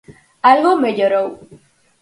Algo mellorou.